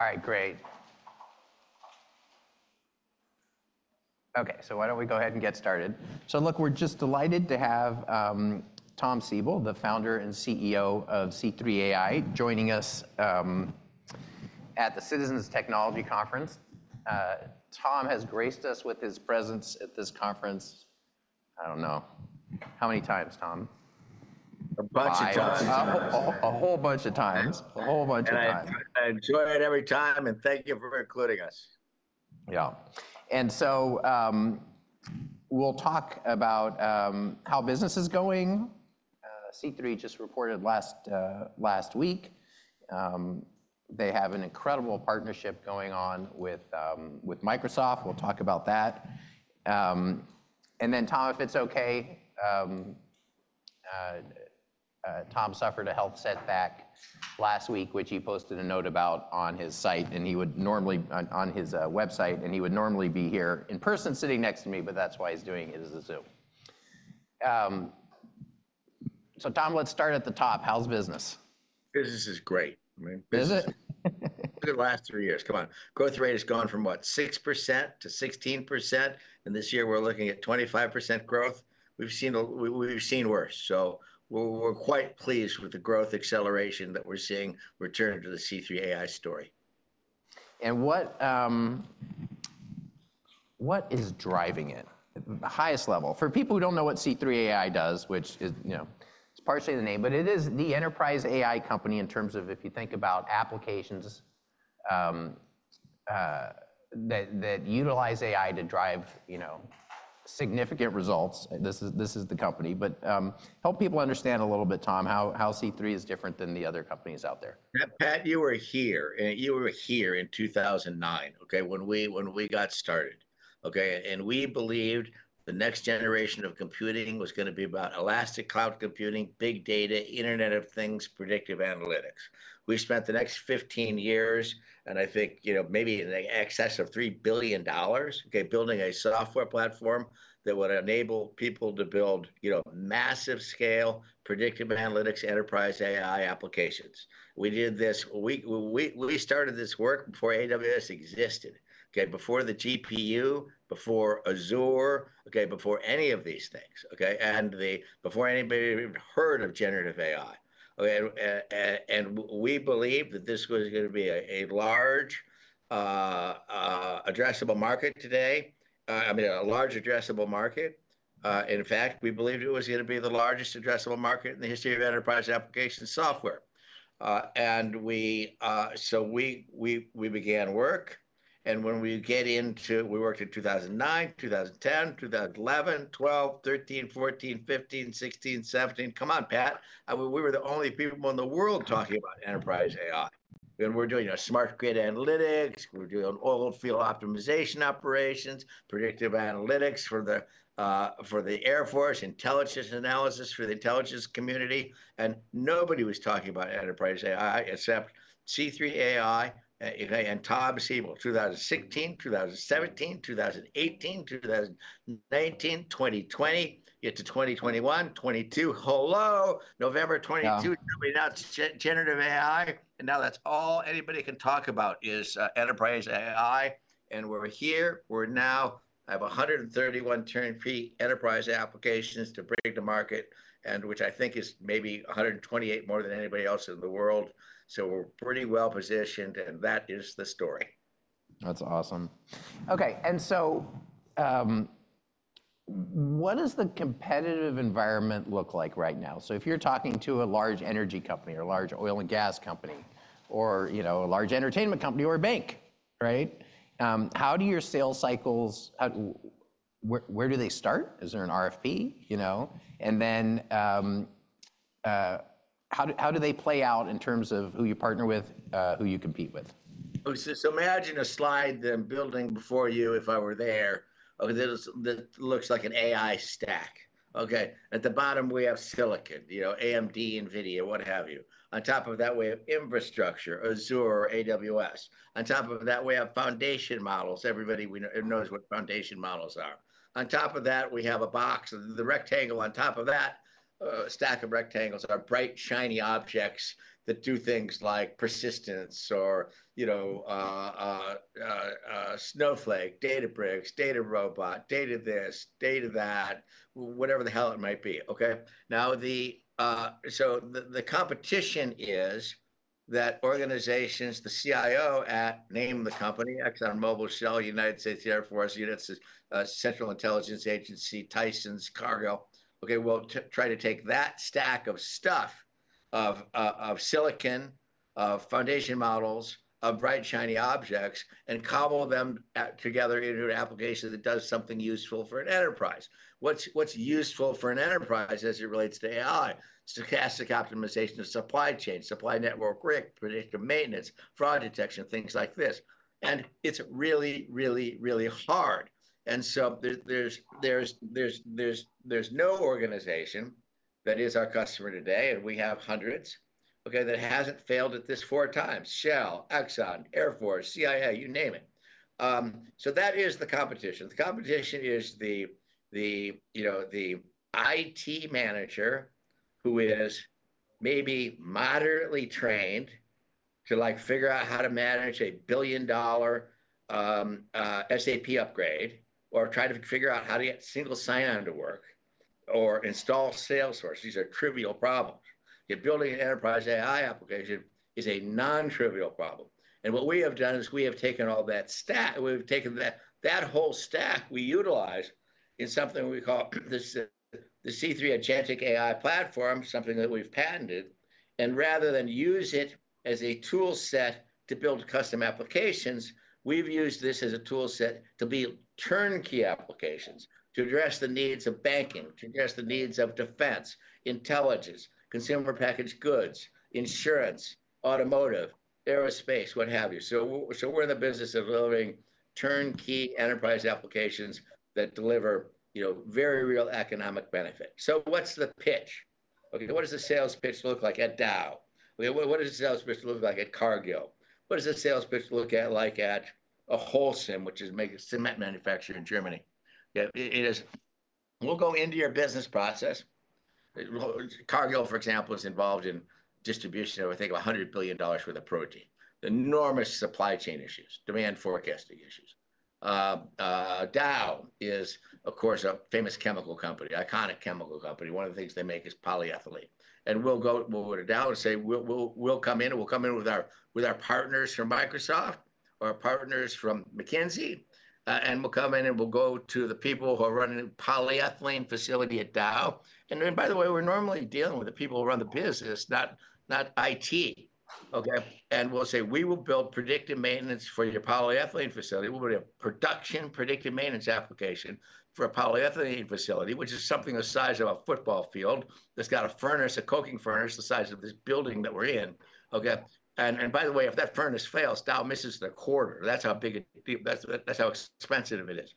All right, great. Okay, so why don't we go ahead and get started? So look, we're just delighted to have Tom Siebel, the founder and CEO of C3 AI, joining us at the Citizens Technology Conference. Tom has graced us with his presence at this conference, I don't know, how many times, Tom? A bunch of times. A whole bunch of times. I enjoy it every time, and thank you for including us. Yeah. And so we'll talk about how business is going. C3 just reported last week. They have an incredible partnership going on with Microsoft. We'll talk about that. And then Tom, if it's okay, Tom suffered a health setback last week, which he posted a note about on his site, and he would normally be here in person sitting next to me, but that's why he's doing it, is a Zoom. So Tom, let's start at the top. How's business? Business is great. Is it? The last three years, come on. Growth rate has gone from what, 6%-16%, and this year we're looking at 25% growth. We've seen worse, so we're quite pleased with the growth acceleration that we're seeing returned to the C3 AI story. And what is driving it? Highest level. For people who don't know what C3 AI does, which is, you know, it's partially the name, but it is the enterprise AI company in terms of if you think about applications that utilize AI to drive significant results. This is the company, but help people understand a little bit, Tom, how C3 is different than the other companies out there. Pat, you were here, and you were here in 2009, okay, when we got started, okay, and we believed the next generation of computing was going to be about elastic cloud computing, big data, Internet of Things, predictive analytics. We spent the next 15 years, and I think, you know, maybe in excess of $3 billion, building a software platform that would enable people to build, you know, massive scale predictive analytics enterprise AI applications. We did this, we started this work before AWS existed, okay, before the GPU, before Azure, okay, before any of these things, okay, and before anybody even heard of generative AI. And we believed that this was going to be a large addressable market today, I mean, a large addressable market. In fact, we believed it was going to be the largest addressable market in the history of enterprise application software. And so we began work, and when we get into, we worked in 2009, 2010, 2011, 2012, 2013, 2014, 2015, 2016, 2017. Come on, Pat, we were the only people in the world talking about enterprise AI. And we're doing a smart grid analytics, we're doing oil field optimization operations, predictive analytics for the Air Force, intelligence analysis for the intelligence community, and nobody was talking about enterprise AI except C3 AI and Tom Siebel, 2016, 2017, 2018, 2019, 2020, into 2021, 2022. Hello, November 2022, now it's generative AI, and now that's all anybody can talk about is enterprise AI, and we're here, we're now. I have 131 turnkey enterprise applications to bring to market, and which I think is maybe 128 more than anybody else in the world, so we're pretty well positioned, and that is the story. That's awesome. Okay, and so what does the competitive environment look like right now, so if you're talking to a large energy company or a large oil and gas company or, you know, a large entertainment company or a bank, right, how do your sales cycles, where do they start? Is there an RFP, you know, and then how do they play out in terms of who you partner with, who you compete with? So imagine a slide that I'm building before you if I were there, okay, that looks like an AI stack, okay, at the bottom we have silicon, you know, AMD, NVIDIA, what have you. On top of that we have infrastructure, Azure, AWS. On top of that we have foundation models, everybody knows what foundation models are. On top of that we have a box, the rectangle on top of that, a stack of rectangles are bright shiny objects that do things like persistence or, you know, Snowflake, Databricks, DataRobot, Data this, Data that, whatever the hell it might be, okay. So the competition is that organizations, the CIO at name of the company, ExxonMobil, Shell, United States Air Force units, Central Intelligence Agency, Cargill, okay, will try to take that stack of stuff, of silicon, of foundation models, of bright shiny objects, and cobble them together into an application that does something useful for an enterprise. What's useful for an enterprise as it relates to AI? Stochastic optimization of supply chain, supply network risk, predictive maintenance, fraud detection, things like this. And it's really, really, really hard. And so there's no organization that is our customer today, and we have hundreds, okay, that hasn't failed at this four times, Shell, Exxon, Air Force, CIA, you name it. So that is the competition. The competition is, you know, the IT manager who is maybe moderately trained to like figure out how to manage a $1 billion SAP upgrade or try to figure out how to get single sign-on to work or install Salesforce. These are trivial problems. You're building an enterprise AI application is a non-trivial problem, and what we have done is we have taken all that stack, we've taken that whole stack we utilize in something we call the C3 Agentic AI Platform, something that we've patented, and rather than use it as a tool set to build custom applications, we've used this as a tool set to build turnkey applications to address the needs of banking, to address the needs of defense, intelligence, consumer packaged goods, insurance, automotive, aerospace, what have you. So we're in the business of building turnkey enterprise applications that deliver, you know, very real economic benefit. So what's the pitch? Okay, what does the sales pitch look like at Dow? Okay, what does the sales pitch look like at Cargill? What does the sales pitch look like at a Holcim, which is a cement manufacturer in Germany? We'll go into your business process. Cargill, for example, is involved in distribution of, I think, $100 billion worth of protein. Enormous supply chain issues, demand forecasting issues. Dow is, of course, a famous chemical company, iconic chemical company. One of the things they make is polyethylene. And we'll go to Dow and say, we'll come in, we'll come in with our partners from Microsoft or our partners from McKinsey, and we'll come in and we'll go to the people who are running the polyethylene facility at Dow. By the way, we're normally dealing with the people who run the business, not IT, okay? We'll say, we will build predictive maintenance for your polyethylene facility. We'll build a production predictive maintenance application for a polyethylene facility, which is something the size of a football field that's got a furnace, a coking furnace the size of this building that we're in, okay? By the way, if that furnace fails, Dow misses their quarter. That's how big it, that's how expensive it is.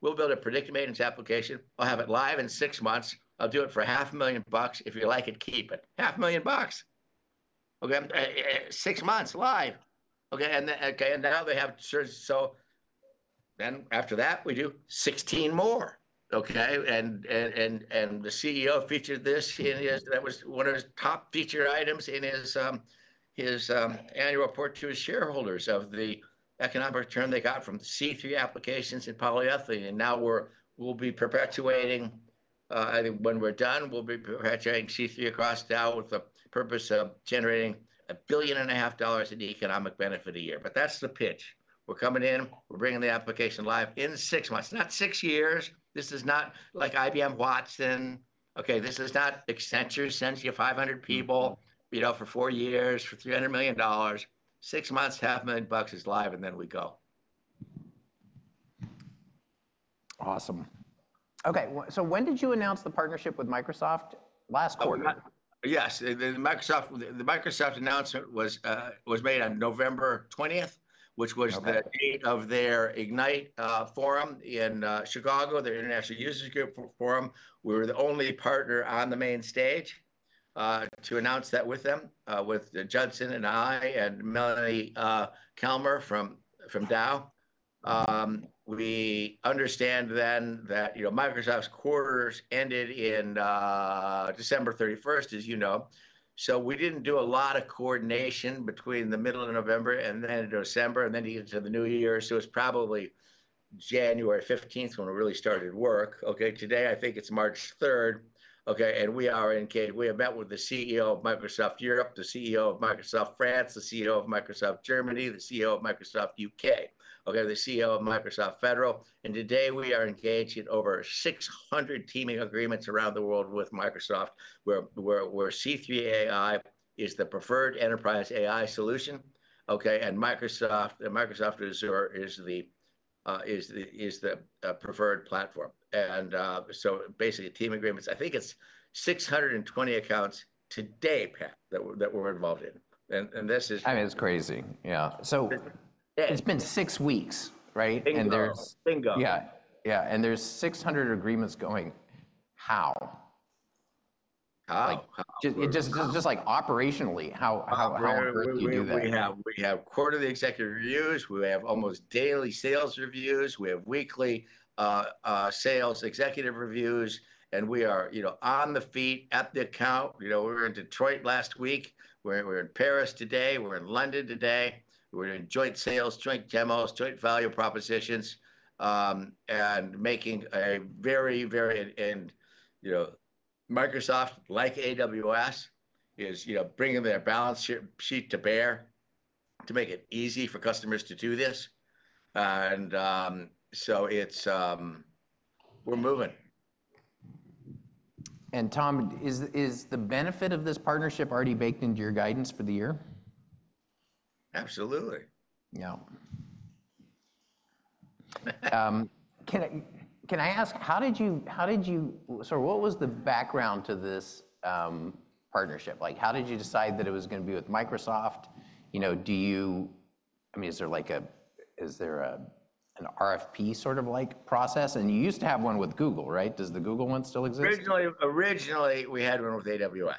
We'll build a predictive maintenance application. I'll have it live in six months. I'll do it for $500,000. If you like it, keep it. $500,000, okay? Six months live, okay? They have certain, so then after that we do 16 more, okay? The CEO featured this in his, that was one of his top featured items in his annual report to his shareholders of the economic return they got from C3 applications and polyethylene. Now we'll be perpetuating, when we're done, we'll be perpetuating C3 across Dow with the purpose of generating $1.5 billion in economic benefit a year. That's the pitch. We're coming in, we're bringing the application live in six months. Not six years. This is not like IBM Watson, okay? This is not Accenture sends you 500 people, you know, for four years, for $300 million. Six months, $500,000 is live, and then we go. Awesome. Okay, so when did you announce the partnership with Microsoft? Last quarter. Yes, the Microsoft announcement was made on November 20th, which was the date of their Ignite forum in Chicago, their international users group forum. We were the only partner on the main stage to announce that with them, with Judson and I and Melanie Kalmar from Dow. We understand then that, you know, Microsoft's quarters ended in December 31st, as you know. So we didn't do a lot of coordination between the middle of November and then into December, and then into the new year. So it was probably January 15th when we really started work, okay? Today I think it's March 3rd, okay? And we are engaged, we have met with the CEO of Microsoft Europe, the CEO of Microsoft France, the CEO of Microsoft Germany, the CEO of Microsoft UK, okay? The CEO of Microsoft Federal. Today we are engaged in over 600 teaming agreements around the world with Microsoft, where C3 AI is the preferred enterprise AI solution, okay? Microsoft Azure is the preferred platform. Basically team agreements, I think it's 620 accounts today, Pat, that we're involved in. This is. I mean, it's crazy, yeah. So it's been six weeks, right? And there's. Bingo. Yeah, yeah, and there's 600 agreements going. How? How? Just like operationally, how do you do that? We have quarterly executive reviews. We have almost daily sales reviews. We have weekly sales executive reviews. And we are, you know, on the feet, at the account. You know, we were in Detroit last week. We're in Paris today. We're in London today. We're doing joint sales, joint demos, joint value propositions, and making a very, very, and you know, Microsoft like AWS is, you know, bringing their balance sheet to bear to make it easy for customers to do this. And so it's, we're moving. Tom, is the benefit of this partnership already baked into your guidance for the year? Absolutely. Yeah. Can I ask, how did you, so what was the background to this partnership? Like how did you decide that it was going to be with Microsoft? You know, do you, I mean, is there like an RFP sort of like process? And you used to have one with Google, right? Does the Google one still exist? Originally, we had one with AWS,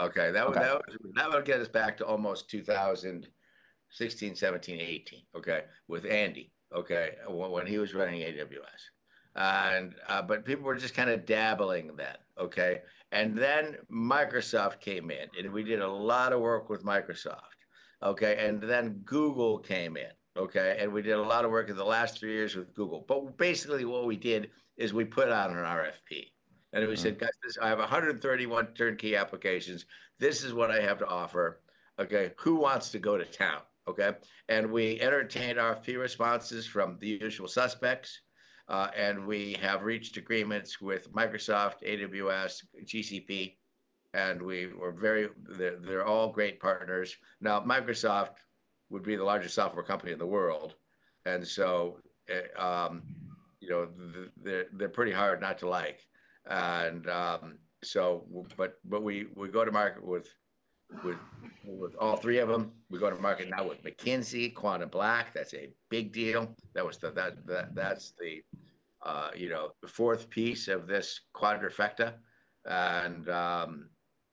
okay? That would get us back to almost 2016, 2017, 2018, okay, with Andy, okay, when he was running AWS. But people were just kind of dabbling then, okay? And then Microsoft came in, and we did a lot of work with Microsoft, okay? And then Google came in, okay? And we did a lot of work in the last three years with Google. But basically what we did is we put out an RFP. And we said, guys, I have 131 turnkey applications. This is what I have to offer, okay? Who wants to go to town, okay? And we entertained RFP responses from the usual suspects. And we have reached agreements with Microsoft, AWS, GCP, and we were very, they're all great partners. Now Microsoft would be the largest software company in the world. And so, you know, they're pretty hard not to like. And so, but we go to market with all three of them. We go to market now with McKinsey, QuantumBlack, that's a big deal. That's the, you know, the fourth piece of this quadrifecta. And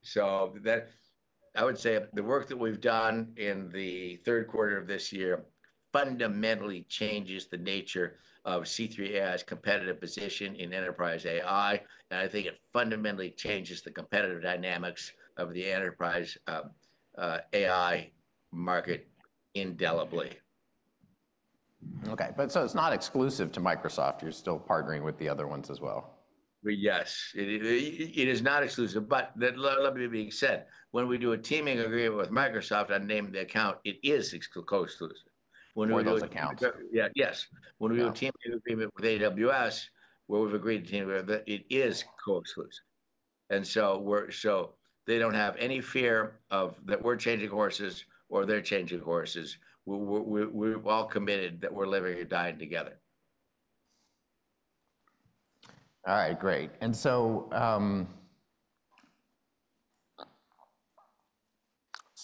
so I would say the work that we've done in the third quarter of this year fundamentally changes the nature of C3 AI's competitive position in enterprise AI. And I think it fundamentally changes the competitive dynamics of the enterprise AI market indelibly. Okay, but so it's not exclusive to Microsoft. You're still partnering with the other ones as well. Yes, it is not exclusive. But that said, let me be clear, when we do a teaming agreement with Microsoft in the name of the account, it is co-exclusive. For those accounts. Yes. When we do a teaming agreement with AWS, where we've agreed to teaming agreement, it is co-exclusive. And so they don't have any fear of that we're changing horses or they're changing horses. We're all committed that we're living and dying together. All right, great. And so let's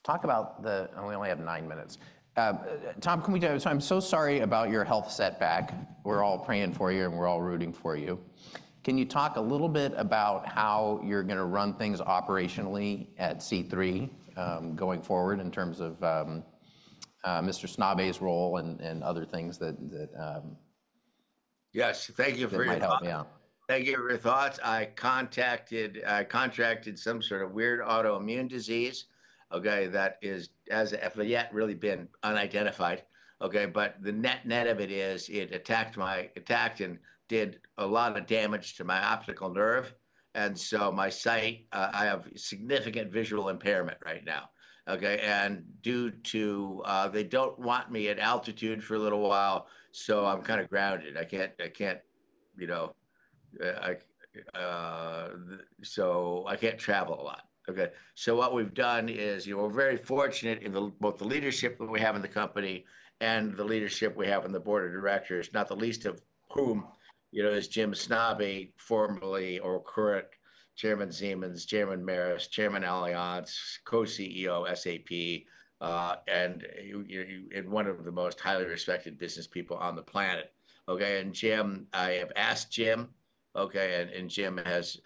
talk about the, and we only have nine minutes. Tom, can we do, so I'm so sorry about your health setback. We're all praying for you and we're all rooting for you. Can you talk a little bit about how you're going to run things operationally at C3 going forward in terms of Mr. Snabe's role and other things that. Yes, thank you for your. Thank you for your thoughts. I contracted some sort of weird autoimmune disease, okay, that is, has yet really been unidentified, okay? But the net of it is it attacked my eye and did a lot of damage to my optical nerve. And so my sight, I have significant visual impairment right now, okay? And due to they don't want me at altitude for a little while, so I'm kind of grounded. I can't, you know, so I can't travel a lot, okay? So what we've done is, you know, we're very fortunate in both the leadership that we have in the company and the leadership we have in the board of directors, not the least of whom, you know, is Jim Snabe, formerly or current Chairman Siemens, Chairman Maersk, Chairman Allianz, co-CEO SAP, and one of the most highly respected business people on the planet, okay? Jim, I have asked Jim, okay? Jim has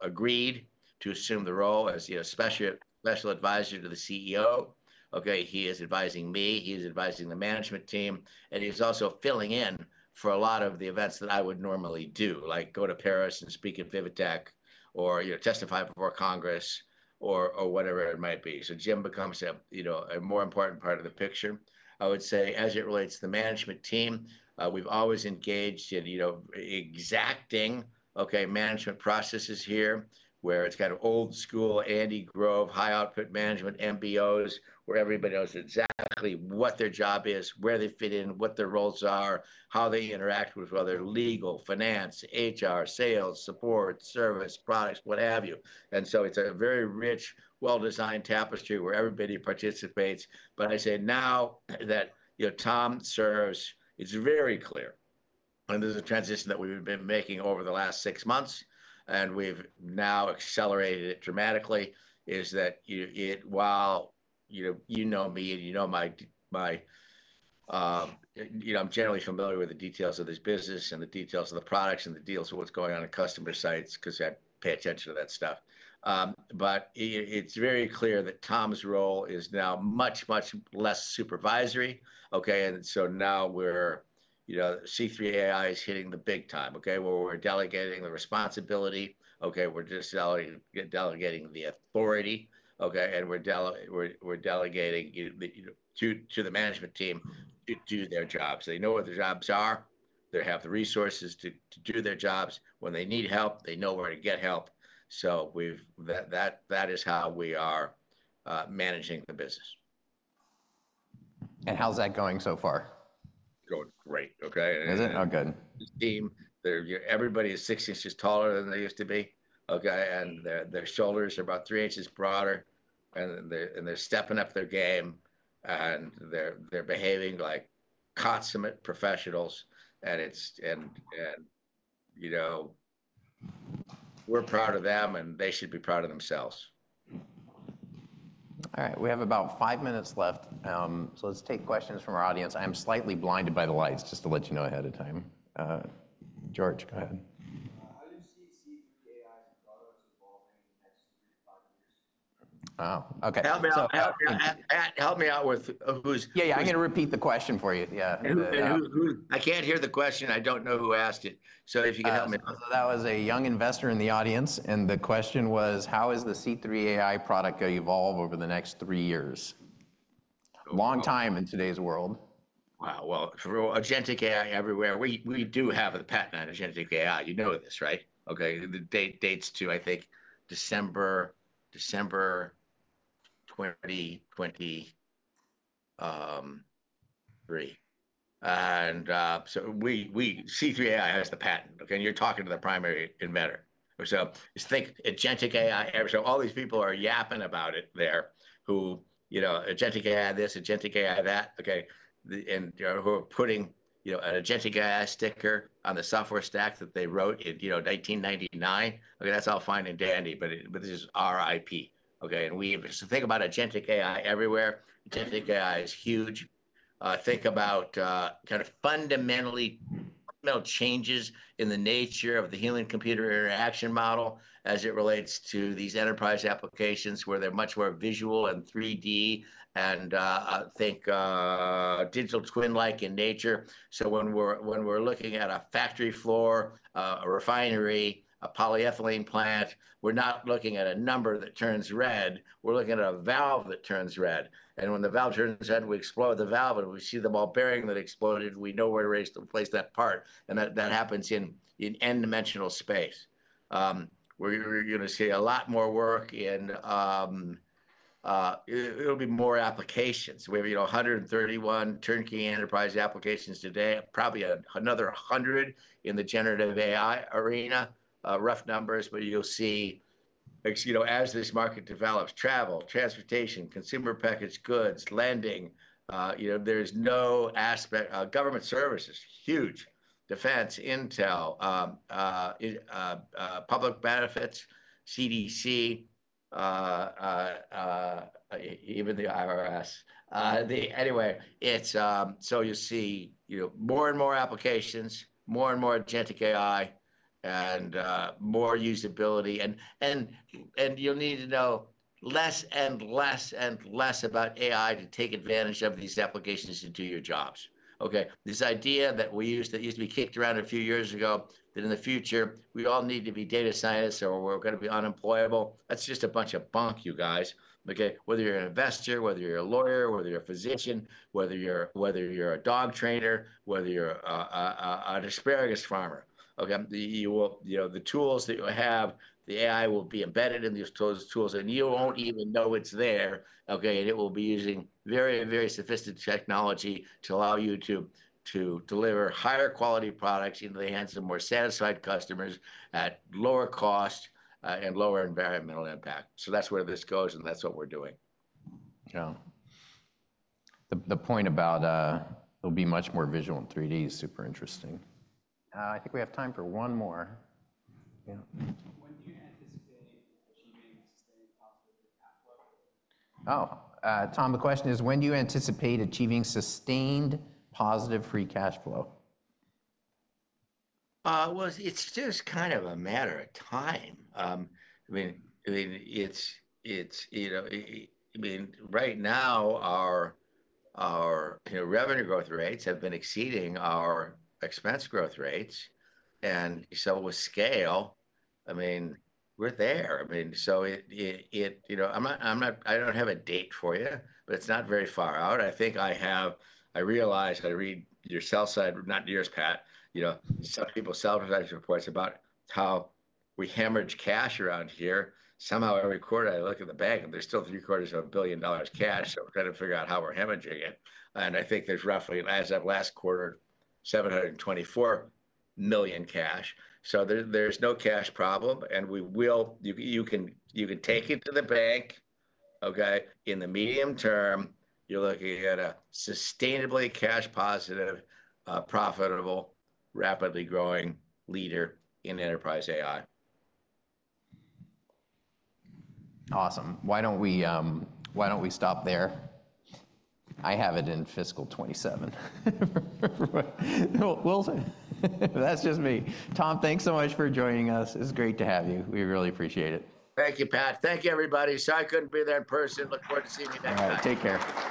agreed to assume the role as, you know, special advisor to the CEO, okay? He is advising me. He is advising the management team. He's also filling in for a lot of the events that I would normally do, like go to Paris and speak at VivaTech or, you know, testify before Congress or whatever it might be. Jim becomes a, you know, a more important part of the picture. I would say as it relates to the management team, we've always engaged in, you know, exacting, okay, management processes here where it's kind of old school Andy Grove, High Output Management MBOs where everybody knows exactly what their job is, where they fit in, what their roles are, how they interact with other legal, finance, HR, sales, support, service, products, what have you. And so it's a very rich, well-designed tapestry where everybody participates. But I say now that, you know, Tom serves. It's very clear. And this is a transition that we've been making over the last six months. And we've now accelerated it dramatically. Is that while you know, you know me and you know my, you know, I'm generally familiar with the details of this business and the details of the products and the deals of what's going on at customer sites because I pay attention to that stuff. But it's very clear that Tom's role is now much, much less supervisory, okay? And so now we're, you know, C3 AI is hitting the big time, okay? Where we're delegating the responsibility, okay? We're just delegating the authority, okay? And we're delegating to the management team to do their jobs. They know what their jobs are. They have the resources to do their jobs. When they need help, they know where to get help. So that is how we are managing the business. And how's that going so far? Going great, okay? Is it? Oh, good. The team, everybody is six inches taller than they used to be, okay? And their shoulders are about three inches broader. And they're stepping up their game. And they're behaving like consummate professionals. And it's, and you know, we're proud of them and they should be proud of themselves. All right, we have about five minutes left. So let's take questions from our audience. I'm slightly blinded by the lights, just to let you know ahead of time. George, go ahead. How do you see C3 AI's products evolving in the next three to five years? Wow, okay. Help me out with who's. Yeah, I'm going to repeat the question for you. I can't hear the question. I don't know who asked it. So if you can help me. That was a young investor in the audience, and the question was, how is the C3 AI product going to evolve over the next three years? Long time in today's world. Wow, well, for Agentic AI everywhere, we do have a patent on Agentic AI. You know this, right? Okay, dates to I think December 2023. And so C3 AI has the patent, okay? And you're talking to the primary inventor. So think Agentic AI, so all these people are yapping about it there who, you know, Agentic AI this, Agentic AI that, okay? And who are putting, you know, an Agentic AI sticker on the software stack that they wrote in, you know, 1999. Okay, that's all fine and dandy, but this is our IP, okay? And we think about Agentic AI everywhere. Agentic AI is huge. Think about kind of fundamental changes in the nature of the human-computer interaction model as it relates to these enterprise applications where they're much more visual and 3D and I think digital twin-like in nature. So when we're looking at a factory floor, a refinery, a polyethylene plant, we're not looking at a number that turns red. We're looking at a valve that turns red. And when the valve turns red, we explode the valve and we see the ball bearing that exploded. We know where to place that part. And that happens in n-dimensional space. We're going to see a lot more work in. It'll be more applications. We have, you know, 131 turnkey enterprise applications today. Probably another 100 in the generative AI arena. Rough numbers, but you'll see, you know, as this market develops, travel, transportation, consumer packaged goods, lending, you know, there's no aspect, government services, huge, defense, intel, public benefits, CDC, even the IRS. Anyway, so you'll see, you know, more and more applications, more and more Agentic AI, and more usability. You'll need to know less and less and less about AI to take advantage of these applications and do your jobs, okay? This idea that used to be kicked around a few years ago that in the future we all need to be data scientists or we're going to be unemployable, that's just a bunch of bunk, you guys, okay? Whether you're an investor, whether you're a lawyer, whether you're a physician, whether you're a dog trainer, whether you're an asparagus farmer, okay? You will, you know, the tools that you have, the AI will be embedded in these tools. It will be using very, very sophisticated technology to allow you to deliver higher quality products and they handle more satisfied customers at lower cost and lower environmental impact. So that's where this goes and that's what we're doing. Yeah. The point about it'll be much more visual in 3D is super interesting. I think we have time for one more. When do you anticipate achieving sustained positive cash flow? Oh, Tom, the question is, when do you anticipate achieving sustained positive free cash flow? It's just kind of a matter of time. I mean, it's, you know, I mean, right now our revenue growth rates have been exceeding our expense growth rates. And so with scale, I mean, we're there. I mean, so it, you know, I'm not, I don't have a date for you, but it's not very far out. I think I have, I realized I read your sell-side, not yours, Pat, you know, some people's sell-side analyst reports about how we hemorrhage cash around here. Somehow every quarter I look at the bank and there's still $750 million cash. So we're trying to figure out how we're hemorrhaging it. And I think there's roughly, as of last quarter, $724 million cash. So there's no cash problem. And we will, you can take it to the bank, okay? In the medium term, you're looking at a sustainably cash positive, profitable, rapidly growing leader in enterprise AI. Awesome. Why don't we, why don't we stop there? I have it in fiscal 2027. We'll see. That's just me. Tom, thanks so much for joining us. It's great to have you. We really appreciate it. Thank you, Pat. Thank you, everybody. Sorry I couldn't be there in person. Look forward to seeing you next time. All right, take care.